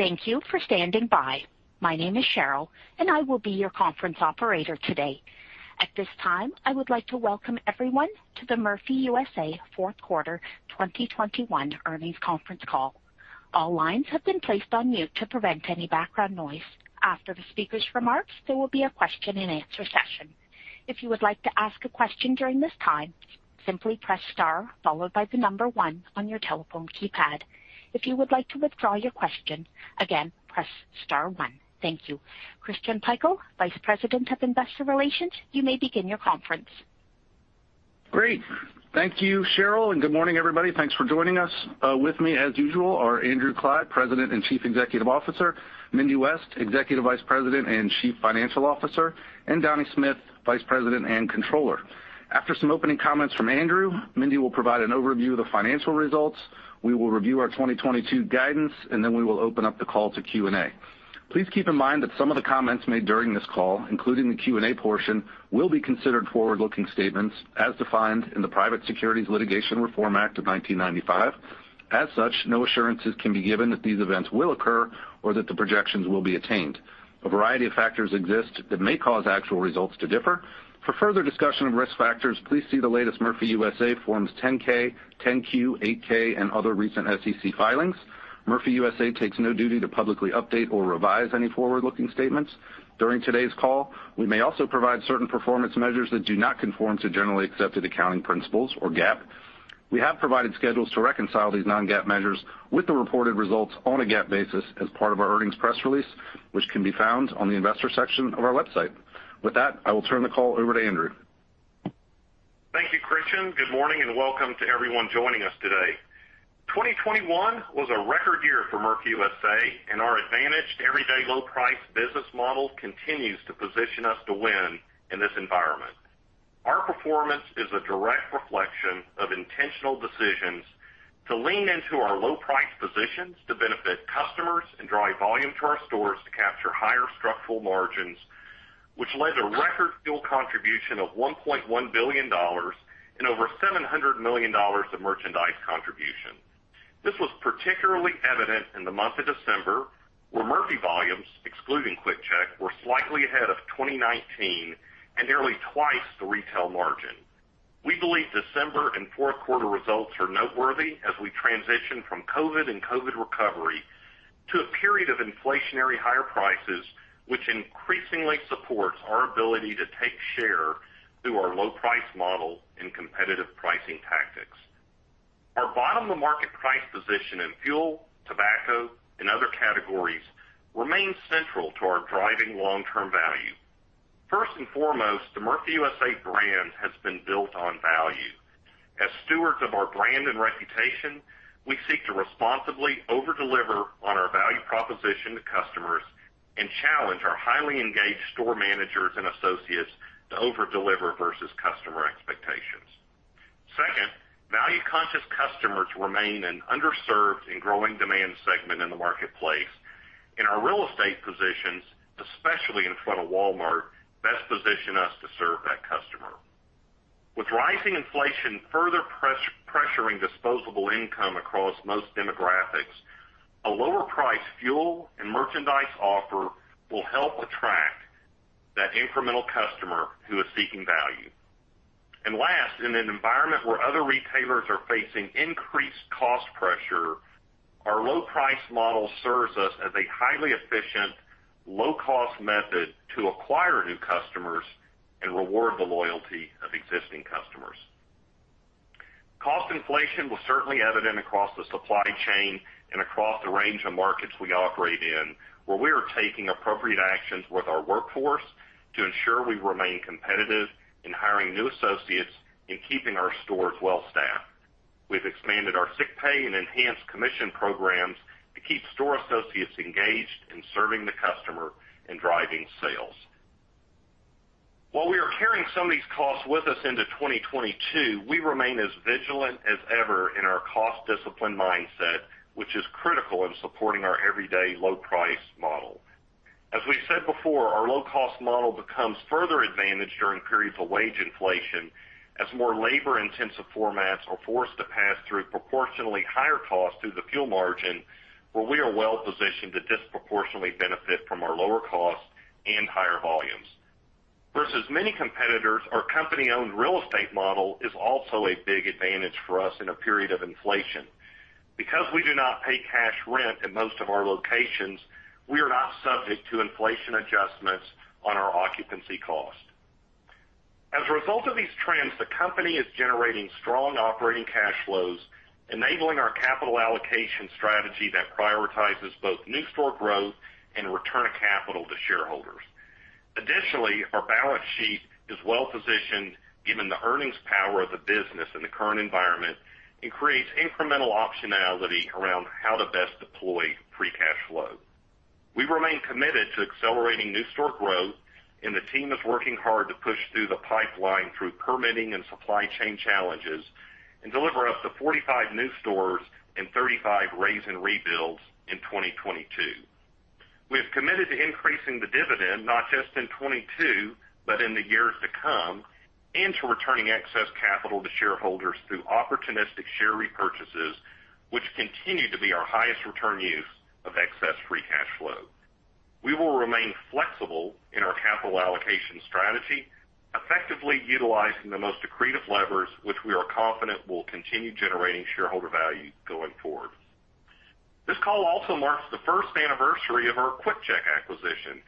Thank you for standing by. My name is Cheryl, and I will be your conference operator today. At this time, I would like to welcome everyone to the Murphy USA Fourth Quarter 2021 Earnings Conference Call. All lines have been placed on mute to prevent any background noise. After the speaker's remarks, there will be a question-and-answer session. If you would like to ask a question during this time, simply press star followed by the number one on your telephone keypad. If you would like to withdraw your question, again, press star one. Thank you. Christian Pikul, Vice President of Investor Relations, you may begin your conference. Great. Thank you, Cheryl, and good morning, everybody. Thanks for joining us. With me as usual are Andrew Clyde, President and Chief Executive Officer, Mindy West, Executive Vice President and Chief Financial Officer, and Donnie Smith, Vice President and Controller. After some opening comments from Andrew, Mindy will provide an overview of the financial results. We will review our 2022 guidance, and then we will open up the call to Q&A. Please keep in mind that some of the comments made during this call, including the Q&A portion, will be considered forward-looking statements as defined in the Private Securities Litigation Reform Act of 1995. As such, no assurances can be given that these events will occur or that the projections will be attained. A variety of factors exist that may cause actual results to differ. For further discussion of risk factors, please see the latest Murphy USA 10-K, 10-Q, 8-K, and other recent SEC filings. Murphy USA takes no duty to publicly update or revise any forward-looking statements. During today's call, we may also provide certain performance measures that do not conform to generally accepted accounting principles or GAAP. We have provided schedules to reconcile these non-GAAP measures with the reported results on a GAAP basis as part of our earnings press release, which can be found on the investor section of our website. With that, I will turn the call over to Andrew. Thank you, Christian. Good morning and welcome to everyone joining us today. 2021 was a record year for Murphy USA, and our advantaged everyday low price business model continues to position us to win in this environment. Our performance is a direct reflection of intentional decisions to lean into our low price positions to benefit customers and drive volume to our stores to capture higher structural margins, which led to record fuel contribution of $1.1 billion and over $700 million of merchandise contribution. This was particularly evident in the month of December, where Murphy volumes, excluding QuickChek, were slightly ahead of 2019 and nearly twice the retail margin. We believe December and fourth quarter results are noteworthy as we transition from COVID and COVID recovery to a period of inflationary higher prices, which increasingly supports our ability to take share through our low price model and competitive pricing tactics. Our bottom-of-the-market price position in fuel, tobacco, and other categories remains central to our driving long-term value. First and foremost, the Murphy USA brand has been built on value. As stewards of our brand and reputation, we seek to responsibly over-deliver on our value proposition to customers and challenge our highly engaged store managers and associates to over-deliver versus customer expectations. Second, value-conscious customers remain an underserved and growing demand segment in the marketplace, and our real estate positions, especially in front of Walmart, best position us to serve that customer. With rising inflation further pressuring disposable income across most demographics, a lower price fuel and merchandise offer will help attract that incremental customer who is seeking value. Last, in an environment where other retailers are facing increased cost pressure, our low price model serves us as a highly efficient, low cost method to acquire new customers and reward the loyalty of existing customers. Cost inflation was certainly evident across the supply chain and across the range of markets we operate in, where we are taking appropriate actions with our workforce to ensure we remain competitive in hiring new associates and keeping our stores well-staffed. We've expanded our sick pay and enhanced commission programs to keep store associates engaged in serving the customer and driving sales. While we are carrying some of these costs with us into 2022, we remain as vigilant as ever in our cost discipline mindset, which is critical in supporting our everyday low price model. As we said before, our low cost model becomes further advantaged during periods of wage inflation as more labor-intensive formats are forced to pass through proportionally higher costs through the fuel margin, where we are well-positioned to disproportionately benefit from our lower costs and higher volumes. Versus many competitors, our company-owned real estate model is also a big advantage for us in a period of inflation. Because we do not pay cash rent in most of our locations, we are not subject to inflation adjustments on our occupancy cost. As a result of these trends, the company is generating strong operating cash flows, enabling our capital allocation strategy that prioritizes both new store growth and return of capital to shareholders. Additionally, our balance sheet is well positioned given the earnings power of the business in the current environment and creates incremental optionality around how to best deploy free cash flow. We remain committed to accelerating new store growth, and the team is working hard to push through the pipeline through permitting and supply chain challenges and deliver up to 45 new stores and 35 raise and rebuilds in 2022. We have committed to increasing the dividend not just in 2022, but in the years to come, and to returning excess capital to shareholders through opportunistic share repurchases, which continue to be our highest return use of excess free cash flow. We will remain flexible in our capital allocation strategy, effectively utilizing the most accretive levers which we are confident will continue generating shareholder value going forward. This call also marks the first anniversary of our QuickChek acquisition,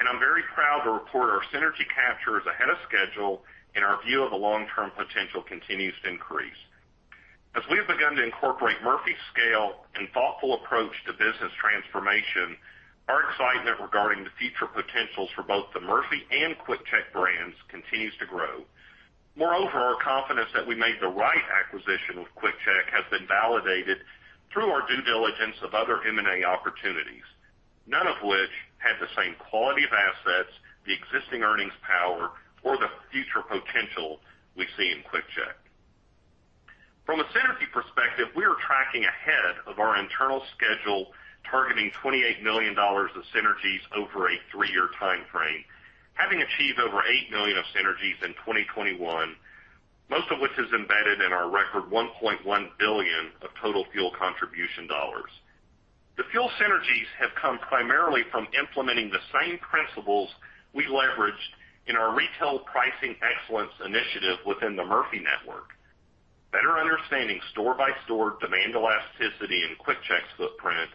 and I'm very proud to report our synergy capture is ahead of schedule and our view of the long-term potential continues to increase. As we have begun to incorporate Murphy's scale and thoughtful approach to business transformation, our excitement regarding the future potentials for both the Murphy and QuickChek brands continues to grow. Moreover, our confidence that we made the right acquisition with QuickChek has been validated through our due diligence of other M&A opportunities, none of which had the same quality of assets, the existing earnings power, or the future potential we see in QuickChek. From a synergy perspective, we are tracking ahead of our internal schedule, targeting $28 million of synergies over a three-year time frame, having achieved over $8 million of synergies in 2021, most of which is embedded in our record $1.1 billion of total fuel contribution dollars. The fuel synergies have come primarily from implementing the same principles we leveraged in our retail pricing excellence initiative within the Murphy network, better understanding store-by-store demand elasticity in QuickChek's footprint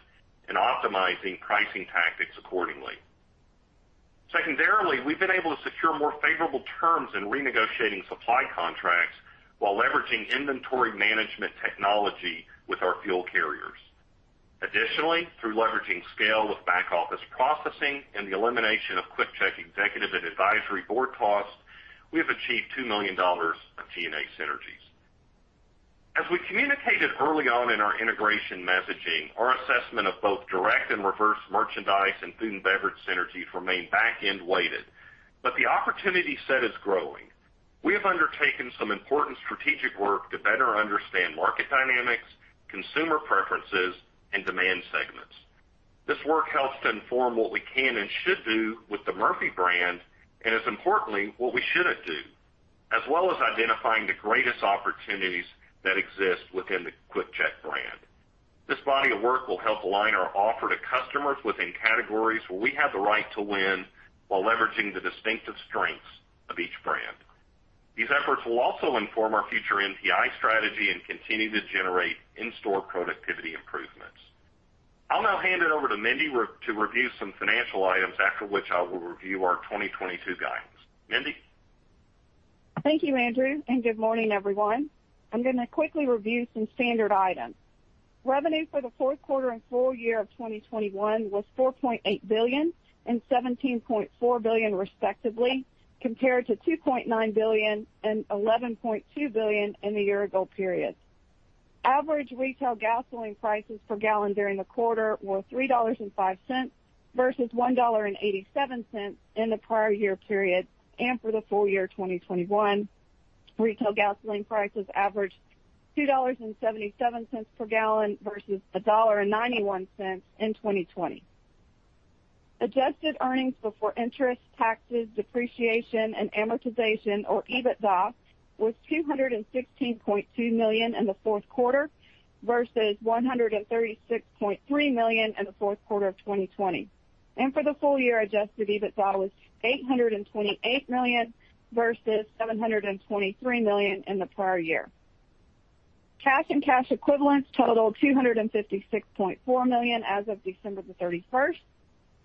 and optimizing pricing tactics accordingly. Secondarily, we've been able to secure more favorable terms in renegotiating supply contracts while leveraging inventory management technology with our fuel carriers. Additionally, through leveraging scale with back-office processing and the elimination of QuickChek executive and advisory board costs, we have achieved $2 million of G&A synergies. As we communicated early on in our integration messaging, our assessment of both direct and reverse merchandise and food and beverage synergies remain back-end weighted, but the opportunity set is growing. We have undertaken some important strategic work to better understand market dynamics, consumer preferences, and demand segments. This work helps to inform what we can and should do with the Murphy brand, and as importantly, what we shouldn't do, as well as identifying the greatest opportunities that exist within the QuickChek brand. This body of work will help align our offer to customers within categories where we have the right to win while leveraging the distinctive strengths of each brand. These efforts will also inform our future NPI strategy and continue to generate in-store productivity improvements. I'll now hand it over to Mindy to review some financial items, after which I will review our 2022 guidance. Mindy? Thank you, Andrew, and good morning, everyone. I'm gonna quickly review some standard items. Revenue for the fourth quarter and full year of 2021 was $4.8 billion and $17.4 billion respectively, compared to $2.9 billion and $11.2 billion in the year-ago period. Average retail gasoline prices per gallon during the quarter were $3.05 versus $1.87 in the prior year period. For the full year 2021, retail gasoline prices averaged $2.77 per gallon versus $1.91 in 2020. Adjusted earnings before interest, taxes, depreciation, and amortization, or EBITDA, was $216.2 million in the fourth quarter versus $136.3 million in the fourth quarter of 2020. For the full year, adjusted EBITDA was $828 million versus $723 million in the prior year. Cash and cash equivalents totaled $256.4 million as of December 31.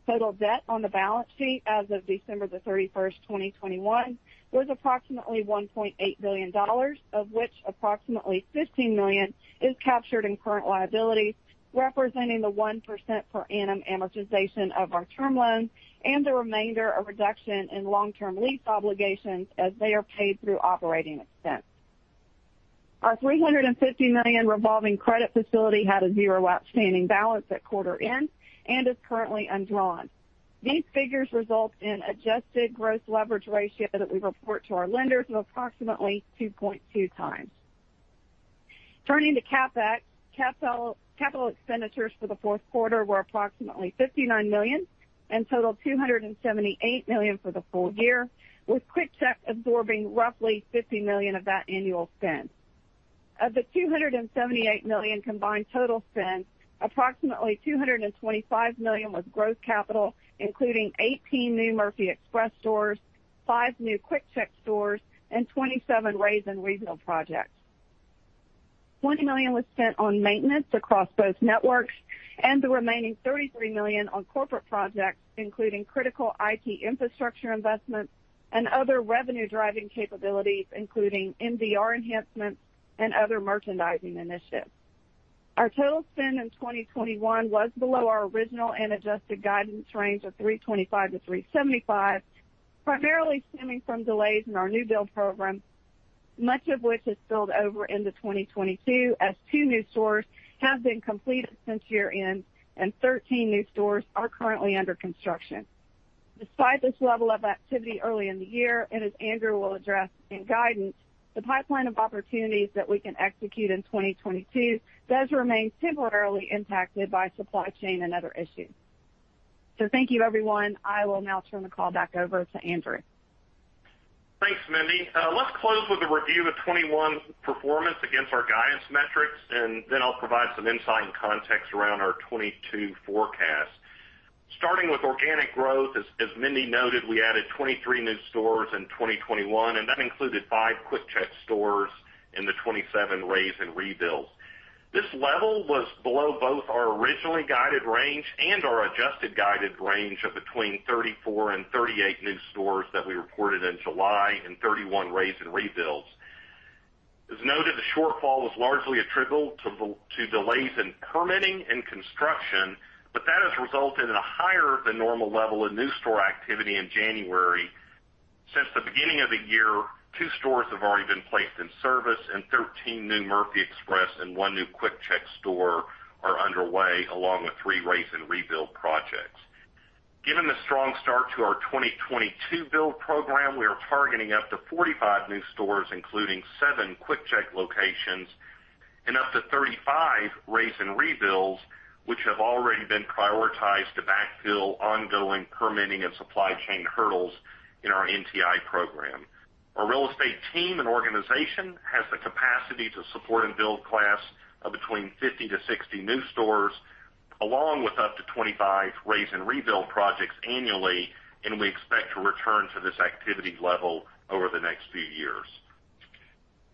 Total debt on the balance sheet as of December 31, 2021 was approximately $1.8 billion, of which approximately $15 million is captured in current liabilities, representing the 1% per annum amortization of our term loans and the remainder a reduction in long-term lease obligations as they are paid through operating expense. Our $350 million revolving credit facility had a zero outstanding balance at quarter end and is currently undrawn. These figures result in adjusted gross leverage ratio that we report to our lenders of approximately 2.2x. Turning to CapEx, capital expenditures for the fourth quarter were approximately $59 million and totaled $278 million for the full year, with QuickChek absorbing roughly $50 million of that annual spend. Of the $278 million combined total spend, approximately $225 million was growth capital, including 18 new Murphy Express stores, five new QuickChek stores, and 27 Raze and regional projects. $20 million was spent on maintenance across both networks and the remaining $33 million on corporate projects, including critical IT infrastructure investments and other revenue-driving capabilities, including MDR enhancements and other merchandising initiatives. Our total spend in 2021 was below our original and adjusted guidance range of $325-$375, primarily stemming from delays in our new build program, much of which is spilled over into 2022 as two new stores have been completed since year-end and 13 new stores are currently under construction. Despite this level of activity early in the year, and as Andrew will address in guidance, the pipeline of opportunities that we can execute in 2022 does remain temporarily impacted by supply chain and other issues. Thank you, everyone. I will now turn the call back over to Andrew. Thanks, Mindy. Let's close with a review of 2021 performance against our guidance metrics, and then I'll provide some insight and context around our 2022 forecast. Starting with organic growth, as Mindy noted, we added 23 new stores in 2021, and that included five QuickChek stores in the 27 raze and rebuilds. This level was below both our originally guided range and our adjusted guided range of between 34 and 38 new stores that we reported in July and 31 raze and rebuilds. As noted, the shortfall was largely attributable to delays in permitting and construction, but that has resulted in a higher than normal level of new store activity in January. Since the beginning of the year, two stores have already been placed in service and 13 new Murphy Express and one new QuickChek store are underway, along with three raze and rebuild projects. Given the strong start to our 2022 build program, we are targeting up to 45 new stores, including seven QuickChek locations, and up to 35 raze and rebuilds, which have already been prioritized to backfill ongoing permitting and supply chain hurdles in our NTI program. Our real estate team and organization has the capacity to support and build class of between 50-60 new stores, along with up to 25 raze and rebuild projects annually, and we expect to return to this activity level over the next few years.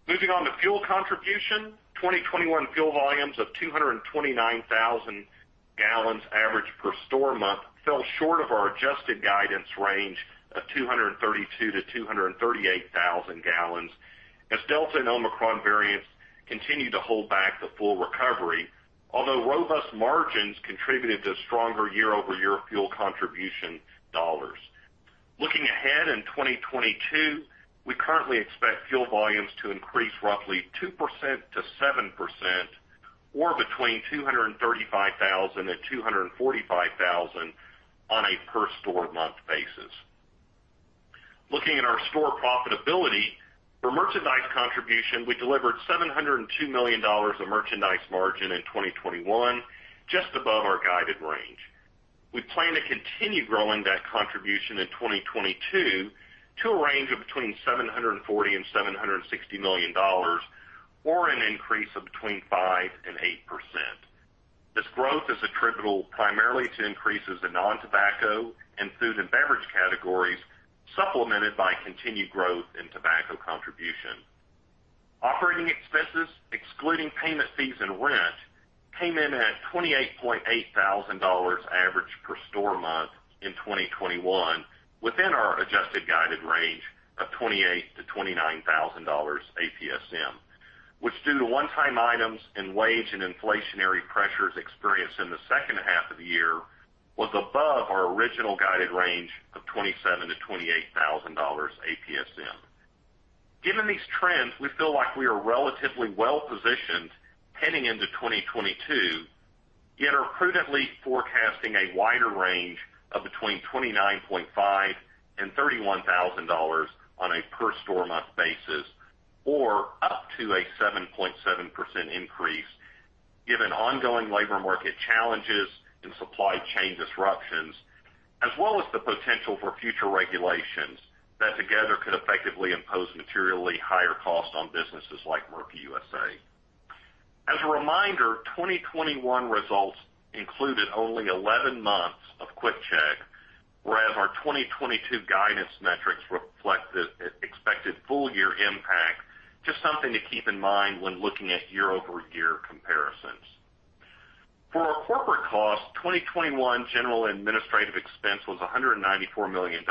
Moving on to fuel contribution. 2021 fuel volumes of 229,000 gallons average per store month fell short of our adjusted guidance range of 232,000-238,000 gallons as Delta and Omicron variants continue to hold back the full recovery. Although robust margins contributed to stronger year-over-year fuel contribution dollars. Looking ahead in 2022, we currently expect fuel volumes to increase roughly 2%-7% or between 235,000 and 245,000 on a per store month basis. Looking at our store profitability, for merchandise contribution, we delivered $702 million of merchandise margin in 2021, just above our guided range. We plan to continue growing that contribution in 2022 to a range of between $740 million and $760 million or an increase of between 5% and 8%. This growth is attributable primarily to increases in nontobacco and food and beverage categories, supplemented by continued growth in tobacco contribution. Operating expenses, excluding payment fees and rent, came in at $28.8 thousand average per store month in 2021, within our adjusted guided range of $28 thousand-$29 thousand APSM, which due to one-time items and wage and inflationary pressures experienced in the second half of the year, was above our original guided range of $27 thousand-$28 thousand APSM. Given these trends, we feel like we are relatively well positioned heading into 2022, yet are prudently forecasting a wider range of between $29.5 thousand and $31 thousand on a per store month basis or up to a 7.7% increase, given ongoing labor market challenges and supply chain disruptions, as well as the potential for future regulations that together could effectively impose materially higher costs on businesses like Murphy USA. As a reminder, 2021 results included only 11 months of QuickChek, whereas our 2022 guidance metrics reflect the expected full year impact, just something to keep in mind when looking at year-over-year comparisons. For our corporate costs, 2021 general administrative expense was $194 million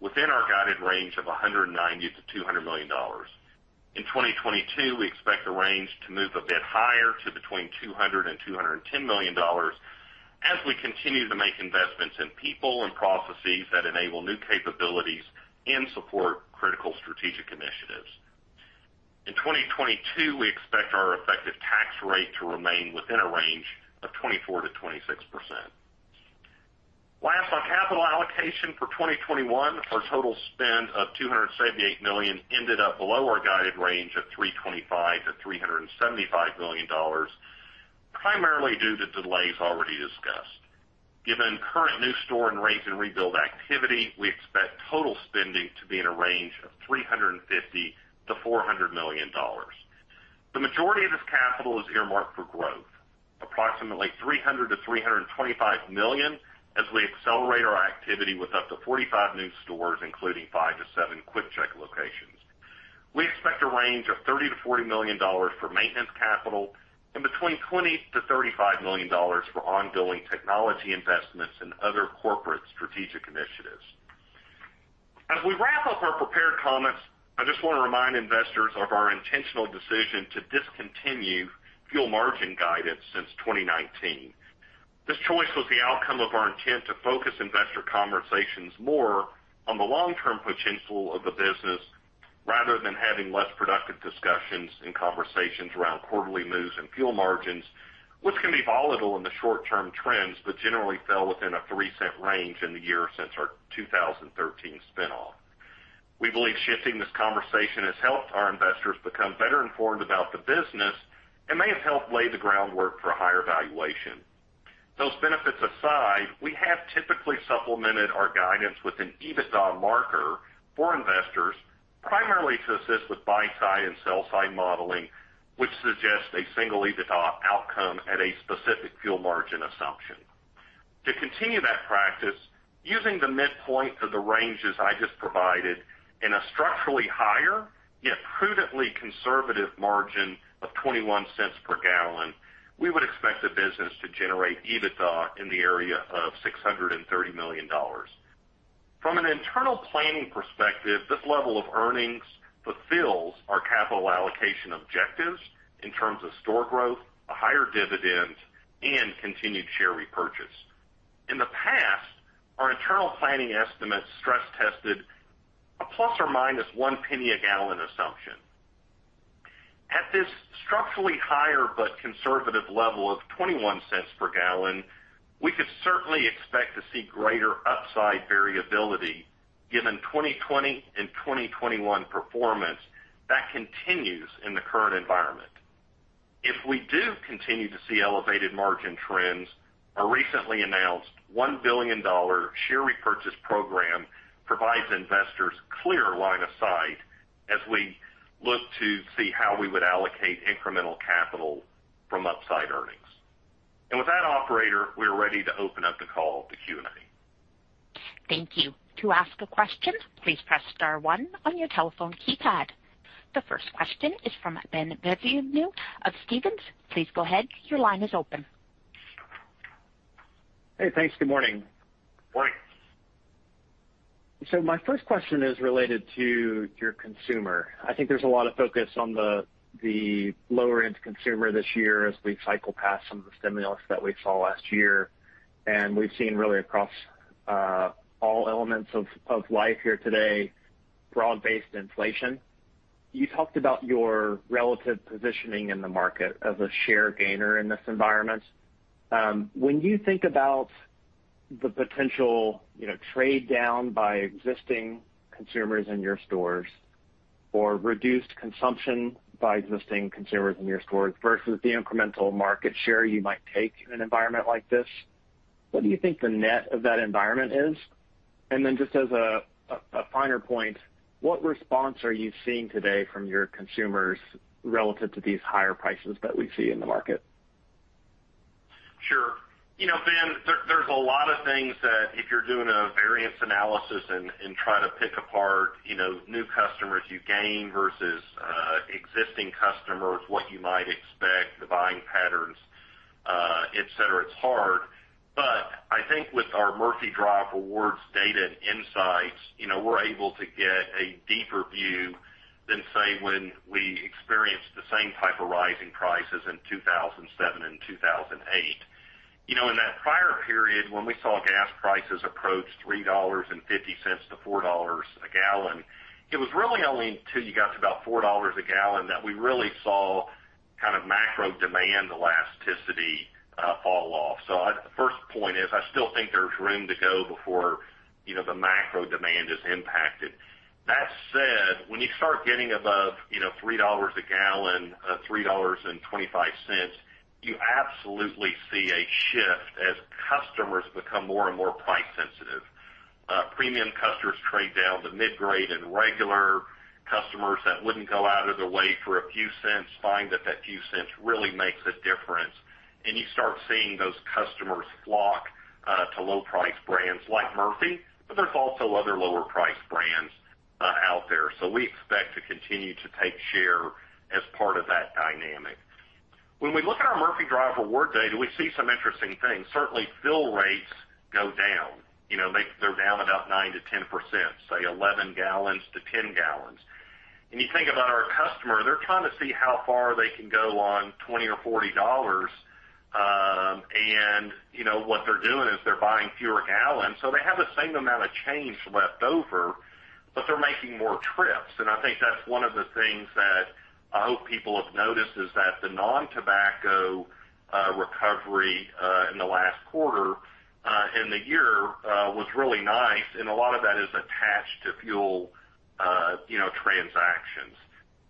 within our guided range of $190 million-$200 million. In 2022, we expect the range to move a bit higher to between $200 million and $210 million as we continue to make investments in people and processes that enable new capabilities and support critical strategic initiatives. In 2022, we expect our effective tax rate to remain within a range of 24%-26%. Last, on capital allocation for 2021, our total spend of $278 million ended up below our guided range of $325 million-$375 million, primarily due to delays already discussed. Given current new store and raze and rebuild activity, we expect total spending to be in a range of $350 million-$400 million. The majority of this capital is earmarked for growth, approximately $300 million-$325 million, as we accelerate our activity with up to 45 new stores, including 5-7 QuickChek locations. We expect a range of $30 million-$40 million for maintenance capital and between $20 million-$35 million for ongoing technology investments and other corporate strategic initiatives. As we wrap up our prepared comments, I just wanna remind investors of our intentional decision to discontinue fuel margin guidance since 2019. This choice was the outcome of our intent to focus investor conversations more on the long-term potential of the business rather than having less productive discussions and conversations around quarterly moves and fuel margins, which can be volatile in the short-term trends, but generally fell within a $0.03 range in the years since our 2013 spin-off. We believe shifting this conversation has helped our investors become better informed about the business and may have helped lay the groundwork for higher valuation. Those benefits aside, we have typically supplemented our guidance with an EBITDA marker for investors, primarily to assist with buy-side and sell-side modeling, which suggests a single EBITDA outcome at a specific fuel margin assumption. To continue that practice, using the midpoint of the ranges I just provided in a structurally higher yet prudently conservative margin of $0.21 per gallon, we would expect the business to generate EBITDA in the area of $630 million. From an internal planning perspective, this level of earnings fulfills our capital allocation objectives in terms of store growth, a higher dividend, and continued share repurchase. In the past, our internal planning estimates stress tested a ±$0.01 Per gallon assumption. At this structurally higher but conservative level of $0.21 Per gallon, we could certainly expect to see greater upside variability given 2020 and 2021 performance that continues in the current environment. If we do continue to see elevated margin trends, our recently announced $1 billion share repurchase program provides investors clear line of sight as we look to see how we would allocate incremental capital from upside earnings. With that operator, we're ready to open up the call to Q&A. Thank you. To ask a question, please press star one on your telephone keypad. The first question is from Ben Bienvenu of Stephens. Please go ahead. Your line is open. Hey, thanks. Good morning. Morning. My first question is related to your consumer. I think there's a lot of focus on the lower end consumer this year as we cycle past some of the stimulus that we saw last year, and we've seen really across all elements of life here today, broad-based inflation. You talked about your relative positioning in the market as a share gainer in this environment. When you think about the potential, you know, trade down by existing consumers in your stores or reduced consumption by existing consumers in your stores versus the incremental market share you might take in an environment like this, what do you think the net of that environment is? And then just as a finer point, what response are you seeing today from your consumers relative to these higher prices that we see in the market? Sure. You know, Ben, there's a lot of things that if you're doing a variance analysis and try to pick apart, you know, new customers you gain versus existing customers, what you might expect, the buying patterns, etc., it's hard. I think with our Murphy Drive Rewards data and insights, you know, we're able to get a deeper view than, say, when we experienced the same type of rising prices in 2007 and 2008. You know, in that prior period, when we saw gas prices approach $3.50-$4 a gallon, it was really only till you got to about $4 a gallon that we really saw kind of macro demand elasticity fall off. First point is, I still think there's room to go before, you know, the macro demand is impacted. That said, when you start getting above, you know, $3 a gallon, $3.25, you absolutely see a shift as customers become more and more price sensitive. Premium customers trade down to mid-grade and regular customers that wouldn't go out of their way for a few cents find that that few cents really makes a difference. You start seeing those customers flock to low price brands like Murphy, but there's also other lower price brands out there. We expect to continue to take share as part of that dynamic. When we look at our Murphy Drive Rewards data, we see some interesting things. Certainly, fill rates go down, you know, they're down about 9%-10%, say 11 gallons to 10 gallons. You think about our customer, they're trying to see how far they can go on $20 or $40, and, you know, what they're doing is they're buying fewer gallons, so they have the same amount of change left over, but they're making more trips. I think that's one of the things that I hope people have noticed is that the non-tobacco recovery in the last quarter in the year was really nice, and a lot of that is attached to fuel, you know, transactions.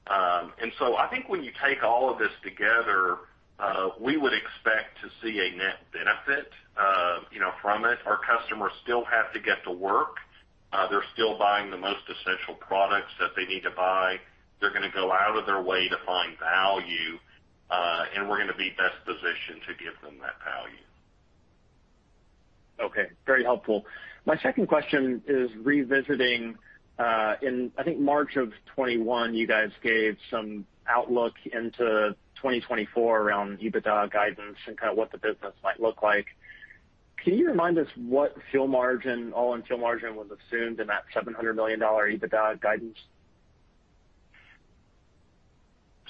I think when you take all of this together, we would expect to see a net benefit, you know, from it. Our customers still have to get to work. They're still buying the most essential products that they need to buy. They're gonna go out of their way to find value, and we're gonna be best positioned to give them that value. Okay. Very helpful. My second question is revisiting in, I think, March 2021, you guys gave some outlook into 2024 around EBITDA guidance and kind of what the business might look like. Can you remind us what fuel margin, all-in fuel margin was assumed in that $700 million EBITDA guidance?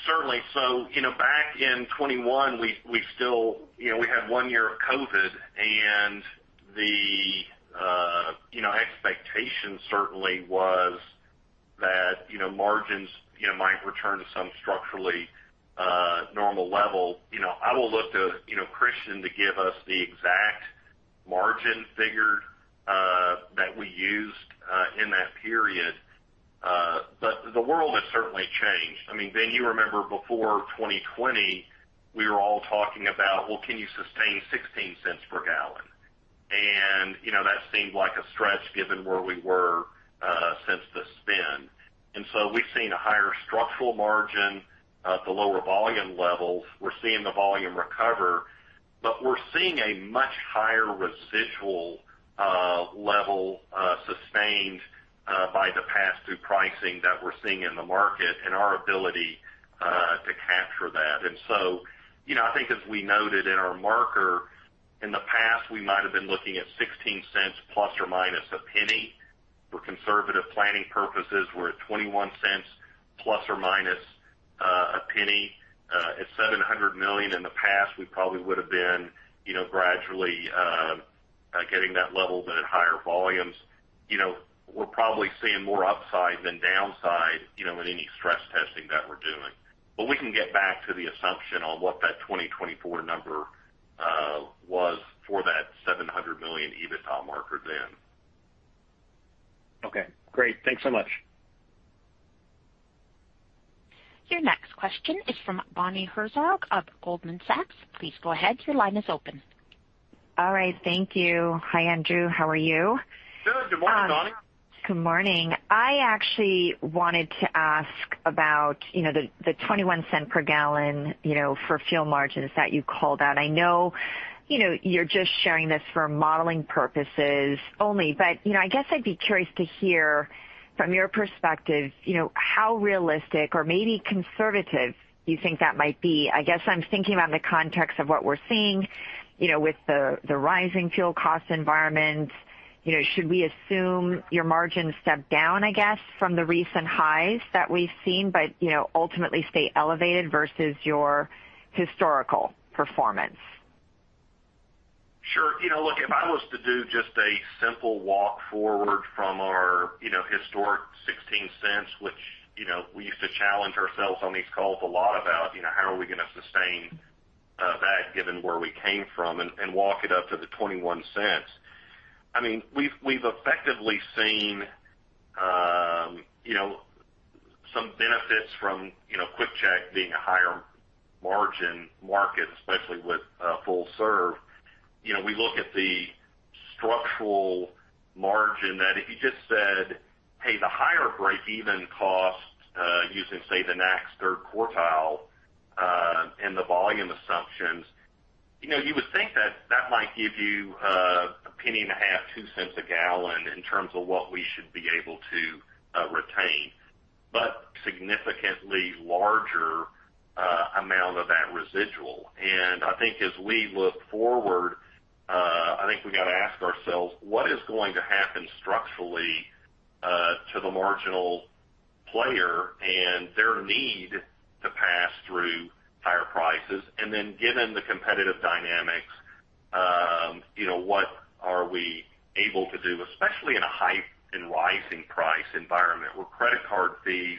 Certainly. You know, back in 2021 we still, you know, we had one year of COVID and the, you know, expectation certainly was that, you know, margins, you know, might return to some structurally normal level. You know, I will look to, you know, Christian to give us the exact margin figure that we used in that period. The world has certainly changed. I mean, then you remember before 2020 we were all talking about, well, can you sustain $0.16 per gallon? You know, that seemed like a stretch given where we were since the spin. We've seen a higher structural margin at the lower volume levels. We're seeing the volume recover, but we're seeing a much higher residual level sustained by the pass-through pricing that we're seeing in the market and our ability to capture that. You know, I think as we noted in our remarks in the past, we might have been looking at $0.16 plus or minus $0.01. For conservative planning purposes we're at $0.21 plus or minus $0.01. At $700 million in the past, we probably would have been, you know, gradually getting that level but at higher volumes. You know, we're probably seeing more upside than downside, you know, in any stress testing that we're doing. We can get back to the assumption on what that 2024 number was for that $700 million EBITDA target then. Okay, great. Thanks so much. Your next question is from Bonnie Herzog of Goldman Sachs. Please go ahead. Your line is open. All right. Thank you. Hi, Andrew. How are you? Good morning, Bonnie. Good morning. I actually wanted to ask about, you know, the $0.21 Per gallon, you know, for fuel margins that you called out. I know, you know, you're just sharing this for modeling purposes only. I guess I'd be curious to hear from your perspective, you know, how realistic or maybe conservative you think that might be. I guess I'm thinking about the context of what we're seeing, you know, with the rising fuel cost environment. You know, should we assume your margins step down, I guess, from the recent highs that we've seen, but, you know, ultimately stay elevated versus your historical performance? Sure. You know, look, if I was to do just a simple walk forward from our, you know, historic $0.16, which, you know, we used to challenge ourselves on these calls a lot about. You know, how are we going to sustain that given where we came from and walk it up to the $0.21. I mean, we've effectively seen, you know, some benefits from, you know, QuickChek being a higher margin market, especially with full serve. You know, we look at the structural margin that if you just said, hey, the higher breakeven cost, using, say, the next third quartile, and the volume assumptions, you know, you would think that that might give you $0.015-$0.02 per gallon in terms of what we should be able to retain, but significantly larger amount of that residual. I think as we look forward, I think we got to ask ourselves what is going to happen structurally to the marginal player and their need to pass through higher prices. Given the competitive dynamics, you know, what are we able to do, especially in a high and rising price environment where credit card fees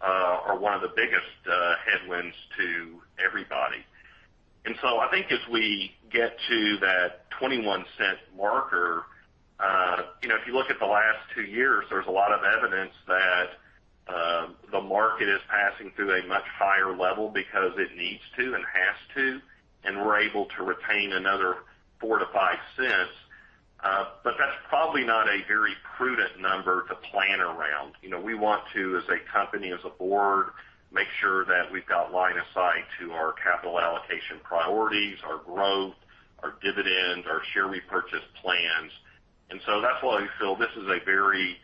are one of the biggest headwinds to everybody. I think as we get to that $0.21 marker, you know, if you look at the last two years, there's a lot of evidence that the market is passing through a much higher level because it needs to and has to, and we're able to retain another $0.04-$0.05. But that's probably not a very prudent number to plan around. You know, we want to as a company, as a board, make sure that we've got line of sight to our capital allocation priorities, our growth, our dividends, our share repurchase plans. That's why we feel this is a very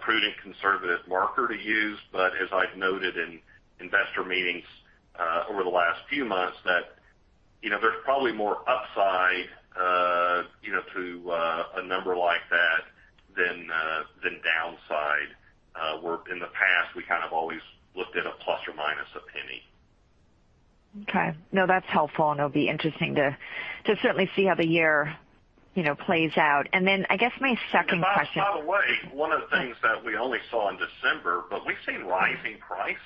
prudent, conservative marker to use. But as I've noted in investor meetings over the last few months that you know, there's probably more upside you know, to a number like that than downside. Where in the past we kind of always looked at a plus or minus a penny. Okay. No, that's helpful. It'll be interesting to certainly see how the year, you know, plays out. I guess my second question- By the way, one of the things that we only saw in December, but we've seen rising prices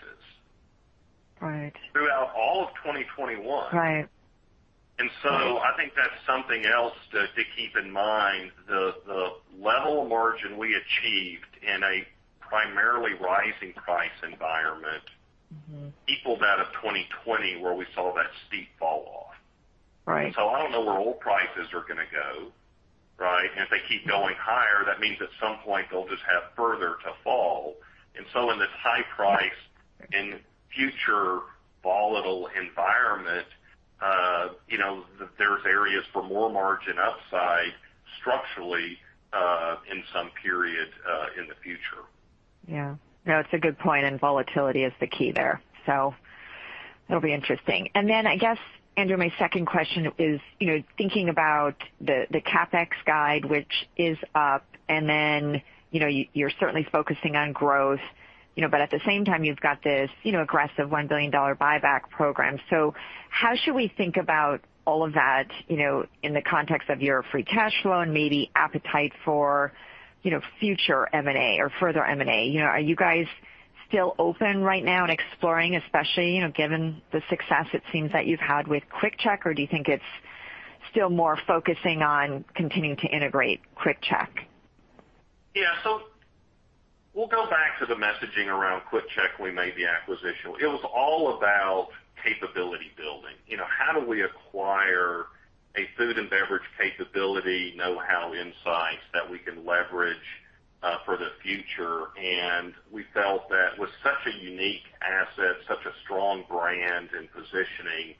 throughout all of 2021. I think that's something else to keep in mind. The level of margin we achieved in a primarily rising price environment equals that of 2020, where we saw that steep fall off. I don't know where oil prices are gonna go, right? If they keep going higher, that means at some point they'll just have further to fall. In this high price and future volatile environment, you know, there's areas for more margin upside structurally, in some period, in the future. Yeah. No, it's a good point, and volatility is the key there. That'll be interesting. I guess, Andrew, my second question is, you know, thinking about the CapEx guide, which is up, and then, you know, you're certainly focusing on growth, you know, but at the same time, you've got this, you know, aggressive $1 billion buyback program. How should we think about all of that, you know, in the context of your free cash flow and maybe appetite for, you know, future M&A or further M&A? You know, are you guys still open right now and exploring, especially, you know, given the success it seems that you've had with QuickChek? Or do you think it's still more focusing on continuing to integrate QuickChek? Yeah. We'll go back to the messaging around QuickChek when we made the acquisition. It was all about capability building. You know, how do we acquire a food and beverage capability, know-how insights that we can leverage for the future? We felt that with such a unique asset, such a strong brand and positioning,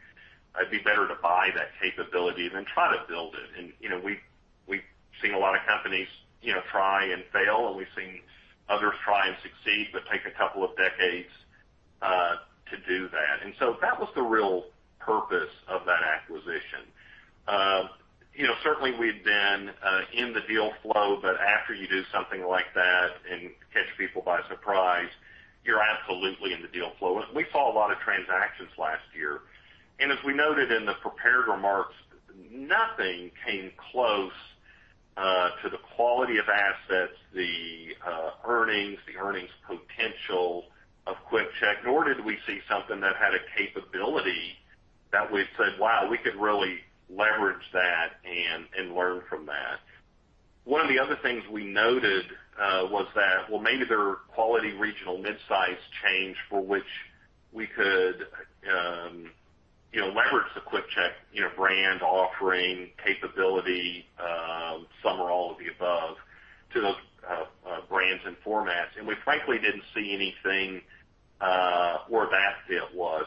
it'd be better to buy that capability than try to build it. You know, we've seen a lot of companies, you know, try and fail, and we've seen others try and succeed, but take a couple of decades to do that. That was the real purpose of that acquisition. You know, certainly we've been in the deal flow, but after you do something like that and catch people by surprise, you're absolutely in the deal flow. We saw a lot of transactions last year. As we noted in the prepared remarks, nothing came close to the quality of assets, the earnings potential of QuickChek, nor did we see something that had a capability that we said, "Wow, we could really leverage that and learn from that." One of the other things we noted was that, well, maybe there are quality regional mid-size chain for which we could, you know, leverage the QuickChek, you know, brand offering capability, some or all of the above, to those brands and formats. We frankly didn't see anything where that fit was.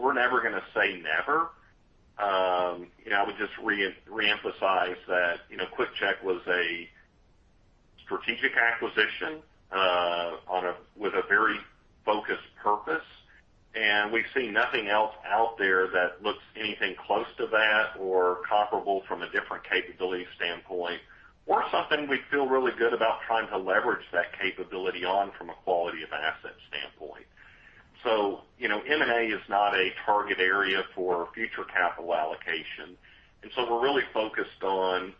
We're never gonna say never, you know, I would just reemphasize that, you know, QuickChek was a strategic acquisition with a very focused purpose, and we see nothing else out there that looks anything close to that or comparable from a different capability standpoint or something we feel really good about trying to leverage that capability on from a quality of asset standpoint. You know, M&A is not a target area for future capital allocation, and so we're really focused on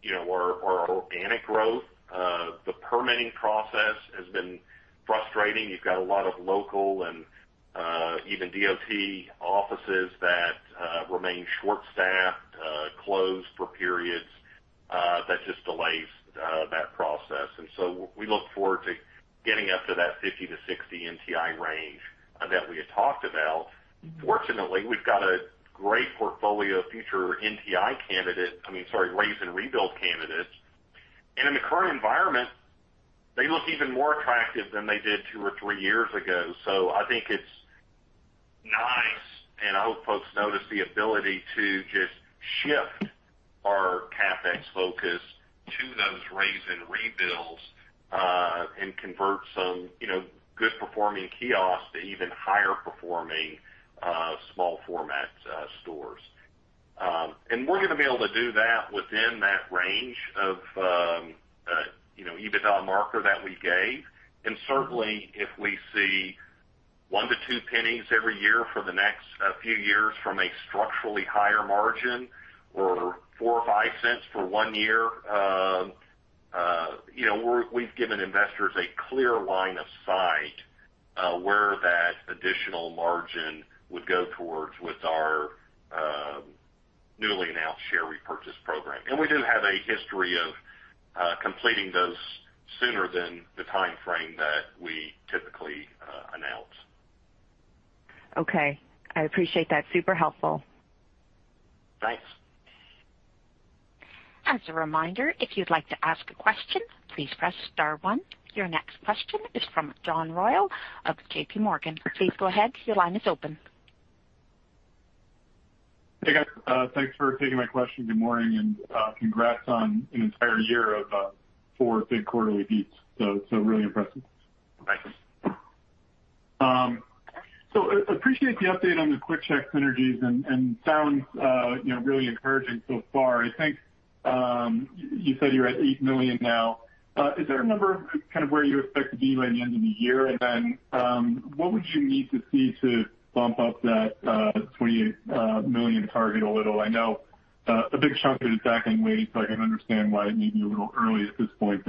you know, our organic growth. The permitting process has been frustrating. You've got a lot of local and even DOT offices that remain short-staffed, closed for periods, that just delays that process. We look forward to getting up to that 50-60 NTI range that we had talked about. Fortunately, we've got a great portfolio of future NTI candidates. I mean, sorry, raise and rebuild candidates. In the current environment, they look even more attractive than they did two or three years ago. I think it's nice, and I hope folks notice the ability to just shift our CapEx focus to those raise and rebuilds, and convert some, you know, good performing kiosks to even higher performing small format stores. We're gonna be able to do that within that range of, you know, EBITDA marker that we gave. Certainly, if we see $0.01-0.02 Pennies every year for the next few years from a structurally higher margin or $0.04 Or $0.05 For 1 year, you know, we've given investors a clear line of sight where that additional margin would go towards with our newly announced share repurchase program. We do have a history of completing those sooner than the timeframe that we typically announce. Okay. I appreciate that. Super helpful. Thanks. As a reminder, if you'd like to ask a question, please press star one. Your next question is from John Royall of JPMorgan. Please go ahead. Your line is open. Hey, guys. Thanks for taking my question. Good morning, and congrats on an entire year of four big quarterly beats. Really impressive. Thank you. Appreciate the update on the QuickChek synergies and sounds, you know, really encouraging so far. I think you said you're at $8 million now. Is there a number kind of where you expect to be by the end of the year? What would you need to see to bump up that $28 million target a little? I know a big chunk is stacking weight, so I can understand why it may be a little early at this point.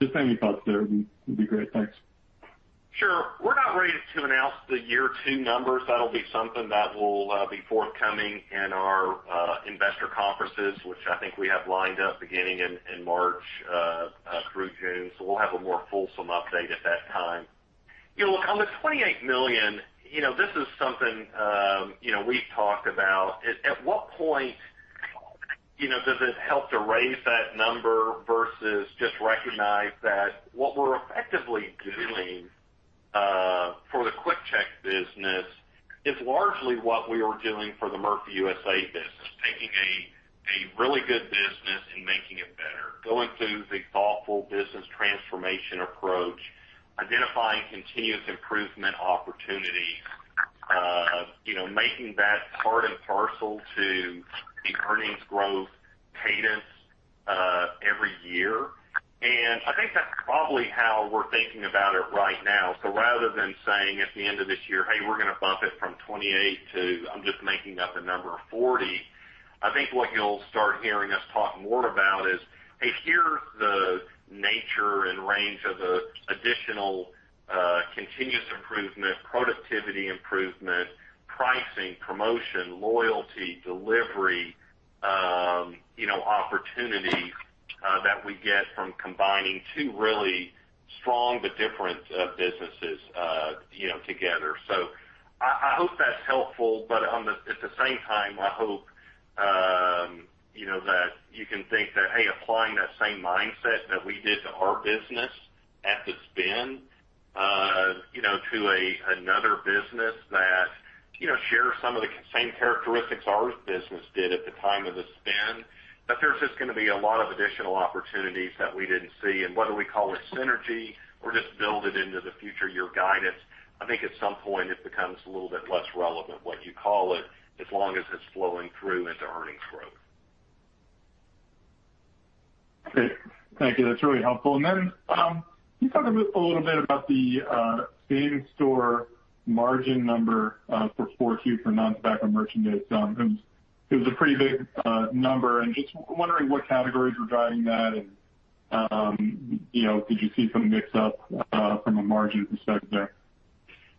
Just any thoughts there would be great. Thanks. Sure. We're not ready to announce the year two numbers. That'll be something that will be forthcoming in our investor conferences, which I think we have lined up beginning in March through June. We'll have a more fulsome update at that time. You know, look, on the 28 million, you know, this is something, you know, we've talked about. At what point, you know, does it help to raise that number versus just recognize that what we're effectively doing for business is largely what we were doing for the Murphy USA business, taking a really good business and making it better, going through the thoughtful business transformation approach, identifying continuous improvement opportunities, you know, making that part and parcel to the earnings growth cadence every year. I think that's probably how we're thinking about it right now. Rather than saying at the end of this year, "Hey, we're gonna bump it from 28 to," I'm just making up a number, "40," I think what you'll start hearing us talk more about is, "Hey, here's the nature and range of the additional, continuous improvement, productivity improvement, pricing, promotion, loyalty, delivery, you know, opportunity, that we get from combining two really strong but different, businesses, you know, together." I hope that's helpful, but at the same time, I hope, you know, that you can think that, hey, applying that same mindset that we did to our business at the spin, you know, to another business that, you know, shares some of the same characteristics our business did at the time of the spin, that there's just gonna be a lot of additional opportunities that we didn't see. Whether we call it synergy or just build it into the future year guidance, I think at some point it becomes a little bit less relevant what you call it, as long as it's flowing through into earnings growth. Great. Thank you. That's really helpful. Can you talk a little bit about the same-store margin number for Q4 2022 for non-tobacco merchandise? It was a pretty big number, and just wondering what categories were driving that and, you know, did you see some mix-up from a margin perspective there?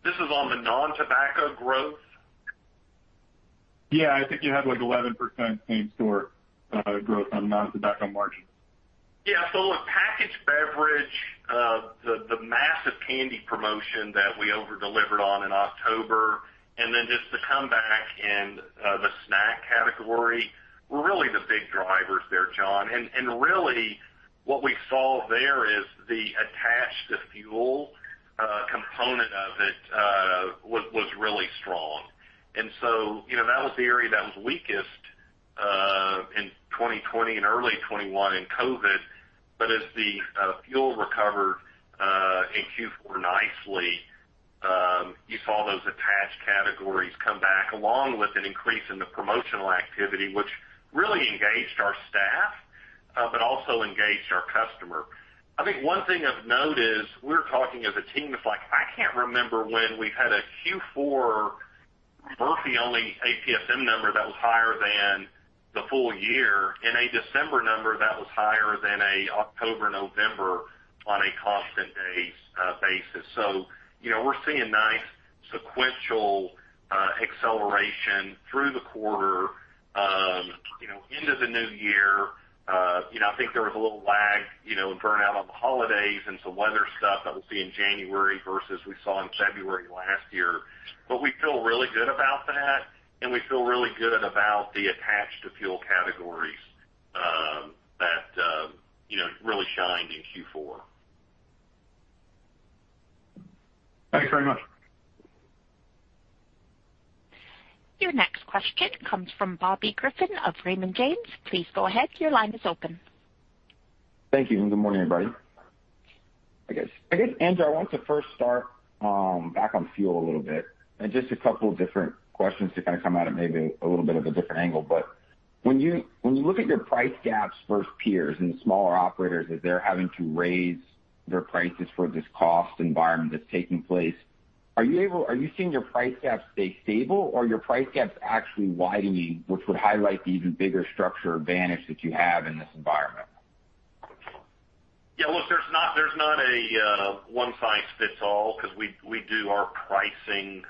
This is on the non-tobacco growth? Yeah. I think you had, like, 11% same-store growth on non-tobacco margin. Yeah. Look, packaged beverage, the massive candy promotion that we over-delivered on in October, and then just the comeback in the snack category were really the big drivers there, John. Really what we saw there is the attached to fuel component of it was really strong. You know, that was the area that was weakest in 2020 and early 2021 in COVID. As the fuel recovered in Q4 nicely, you saw those attached categories come back along with an increase in the promotional activity, which really engaged our staff, but also engaged our customer. I think one thing of note is we're talking as a team, it's like, I can't remember when we've had a Q4 Murphy only APSM number that was higher than the full year and a December number that was higher than October, November on a constant basis. You know, we're seeing nice sequential acceleration through the quarter, you know, into the new year. You know, I think there was a little lag, you know, and burnout on the holidays and some weather stuff that we'll see in January versus we saw in February last year. We feel really good about that, and we feel really good about the attached to fuel categories, that you know, really shined in Q4. Thanks very much. Your next question comes from Bobby Griffin of Raymond James. Please go ahead. Your line is open. Thank you, and good morning, everybody. I guess, Andrew, I wanted to first start back on fuel a little bit and just a couple of different questions to kind of come at it maybe a little bit of a different angle. When you look at your price gaps versus peers and smaller operators as they're having to raise their prices for this cost environment that's taking place, are you seeing your price gaps stay stable or are your price gaps actually widening, which would highlight the even bigger structure advantage that you have in this environment? Yeah. Look, there's not a one size fits all because we do our pricing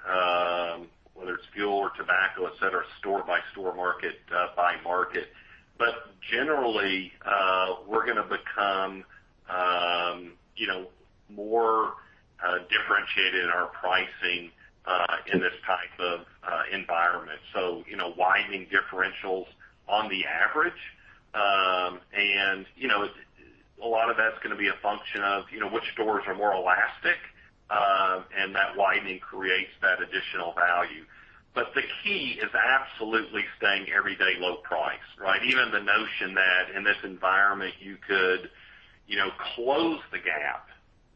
whether it's fuel or tobacco, et cetera, store by store, market by market. Generally, we're gonna become you know more differentiated in our pricing in this type of environment, so you know widening differentials on the average. And you know a lot of that's gonna be a function of you know which stores are more elastic and that widening creates that additional value. The key is absolutely staying everyday low price, right? Even the notion that in this environment you could you know close the gap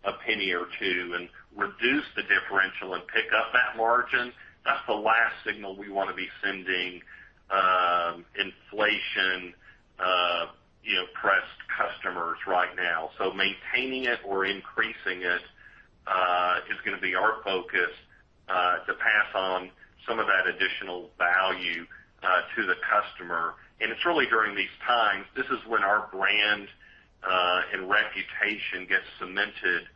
a penny or two and reduce the differential and pick up that margin, that's the last signal we wanna be sending inflation you know pressed customers right now. Maintaining it or increasing it is gonna be our focus to pass on some of that additional value to the customer. It's really during these times, this is when our brand and reputation gets cemented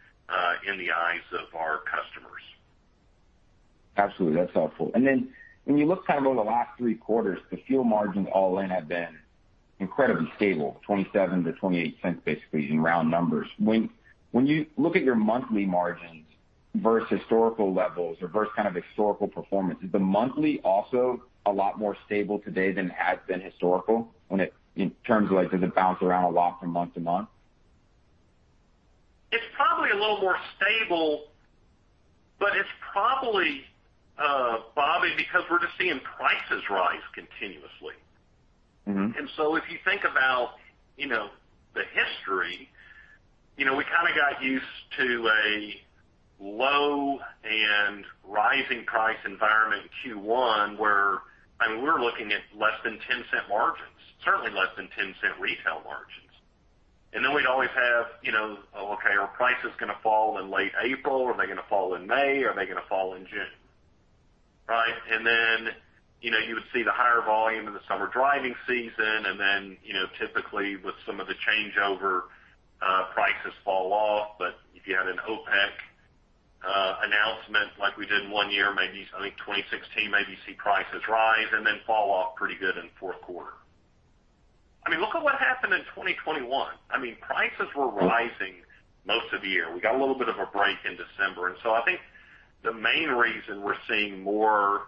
in the eyes of our customers. Absolutely. That's helpful. When you look kind of over the last three quarters, the fuel margins all in have been incredibly stable, $0.27-$0.28 basically in round numbers. When you look at your monthly margins versus historical levels or versus kind of historical performance, is the monthly also a lot more stable today than it has been historically in terms of like, does it bounce around a lot from month to month? It's probably a little more stable, but it's probably, Bobby, because we're just seeing prices rise continuously. If you think about, you know, the history, you know, we kind of got used to a low and rising price environment in Q1, where, and we're looking at less than $0.10 margins, certainly less than $0.10 retail margins. Then we'd always have, you know, okay, are prices gonna fall in late April? Are they gonna fall in May? Are they gonna fall in June, right? Then, you know, you would see the higher volume in the summer driving season. Then, you know, typically with some of the changeover, prices fall off. But if you had an OPEC announcement like we did one year, maybe I think 2016, maybe see prices rise and then fall off pretty good in fourth quarter. I mean, look at what happened in 2021. I mean, prices were rising most of the year. We got a little bit of a break in December. I think the main reason we're seeing more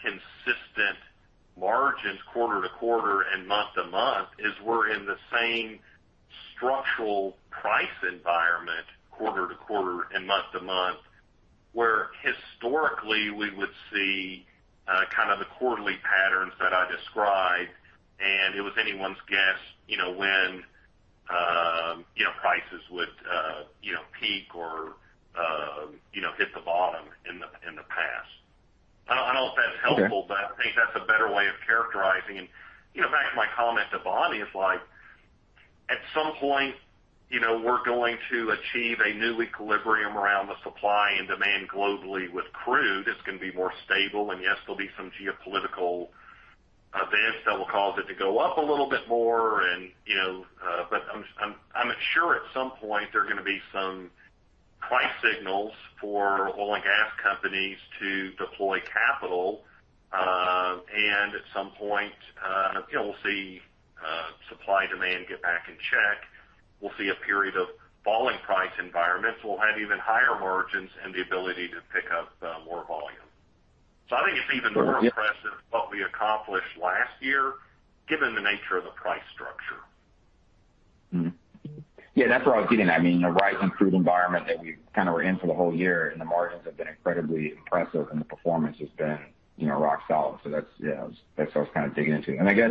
consistent margins quarter to quarter and month to month is we're in the same structural price environment quarter to quarter and month to month, where historically we would see kind of the quarterly patterns that I described, and it was anyone's guess, you know, when, you know, prices would, you know, peak or, you know, hit the bottom in the past. I don't know if that's helpful. Okay. I think that's a better way of characterizing it. You know, back to my comment to Bobby is like, at some point, you know, we're going to achieve a new equilibrium around the supply and demand globally with crude. It's gonna be more stable. Yes, there'll be some geopolitical events that will cause it to go up a little bit more. You know, but I'm sure at some point there are gonna be some price signals for oil and gas companies to deploy capital. At some point, you know, we'll see supply demand get back in check. We'll see a period of falling price environments. We'll have even higher margins and the ability to pick up more volume. So I think it's even more impressive what we accomplished last year, given the nature of the price structure. Mm-hmm. Yeah, that's where I was getting at. I mean, a rising crude environment that we kind of were in for the whole year, and the margins have been incredibly impressive and the performance has been, you know, rock solid. That's, you know, that's what I was kind of digging into. I guess,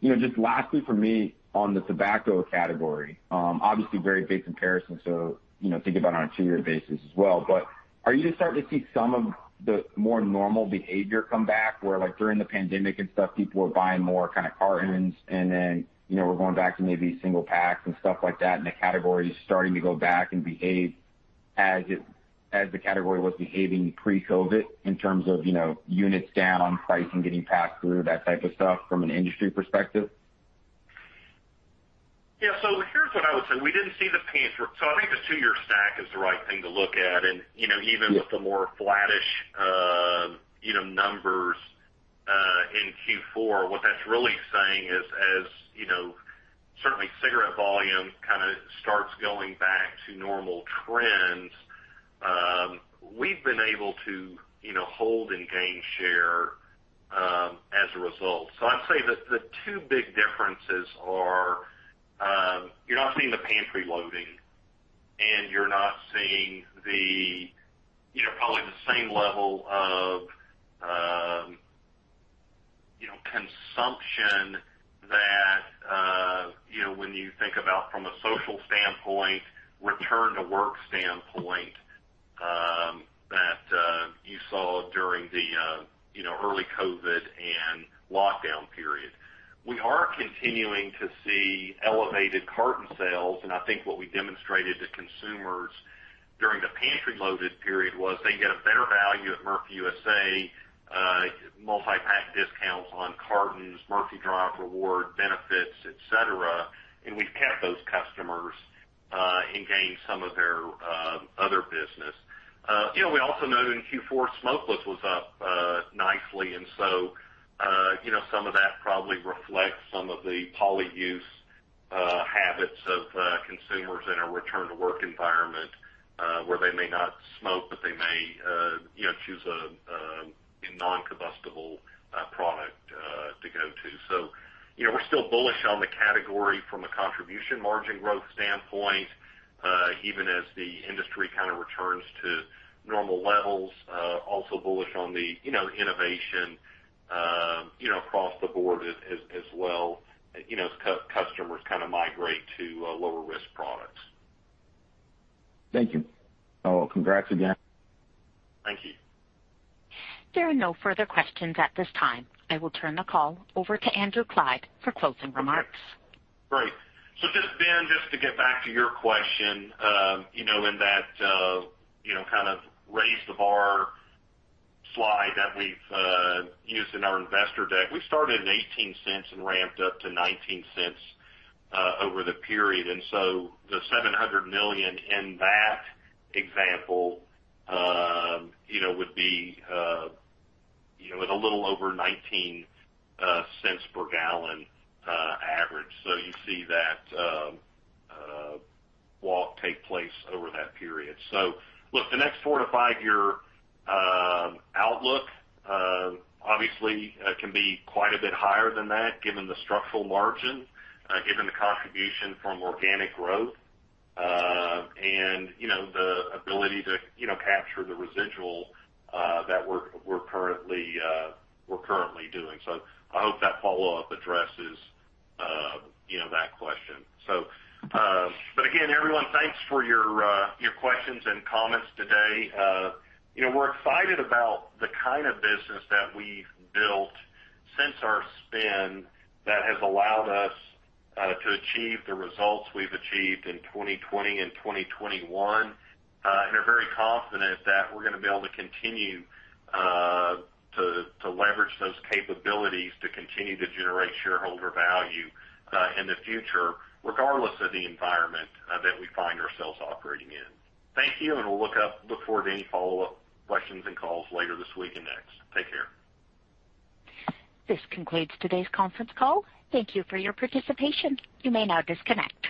you know, just lastly for me on the tobacco category, obviously very big comparison, so, you know, think about on a two-year basis as well. are you just starting to see some of the more normal behavior come back, where like during the pandemic and stuff, people were buying more kind of cartons and then, you know, we're going back to maybe single packs and stuff like that, and the category is starting to go back and behave as the category was behaving pre-COVID in terms of, you know, units down, pricing getting passed through that type of stuff from an industry perspective? Yeah. Here's what I would say. We didn't see the pantry. I think the two-year stack is the right thing to look at. You know, even with the more flattish, you know, numbers in Q4, what that's really saying is, as you know, certainly cigarette volume kind of starts going back to normal trends, we've been able to, you know, hold and gain share, as a result. I'd say that the two big differences are, you're not seeing the pantry loading and you're not seeing the, you know, probably the same level of, you know, consumption that, you know, when you think about from a social standpoint, return to work standpoint, that, you saw during the, you know, early COVID and lockdown period. We are continuing to see elevated carton sales, and I think what we demonstrated to consumers during the pantry loaded period was they get a better value at Murphy USA, multi-pack discounts on cartons, Murphy Drive Rewards benefits, et cetera. We've kept those customers and gained some of their other business. You know, we also know in Q4, smokeless was up nicely. You know, some of that probably reflects some of the poly-use habits of consumers in a return to work environment, where they may not smoke, but they may you know, choose a non-combustible product to go to. You know, we're still bullish on the category from a contribution margin growth standpoint, even as the industry kind of returns to normal levels. Also bullish on the, you know, innovation, you know, across the board as well, you know, as customers kind of migrate to lower risk products. Thank you. Oh, congrats again. Thank you. There are no further questions at this time. I will turn the call over to Andrew Clyde for closing remarks. Great. Just, Ben, just to get back to your question, you know, in that, you know, kind of raise the bar slide that we've used in our investor deck. We started at $0.18 and ramped up to $0.19 over the period. The $700 million in that example, you know, would be, you know, at a little over $0.19 per gallon average. You see that walk take place over that period. Look, the next four-five year outlook obviously can be quite a bit higher than that, given the structural margin, given the contribution from organic growth, and, you know, the ability to, you know, capture the residual that we're currently doing. I hope that follow-up addresses, you know, that question. Again, everyone, thanks for your your questions and comments today. You know, we're excited about the kind of business that we've built since our spin that has allowed us to achieve the results we've achieved in 2020 and 2021. Are very confident that we're gonna be able to continue to leverage those capabilities to continue to generate shareholder value in the future, regardless of the environment that we find ourselves operating in. Thank you, and we'll look forward to any follow-up questions and calls later this week and next. Take care. This concludes today's conference call. Thank you for your participation. You may now disconnect.